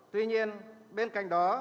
tuy nhiên bên cạnh đó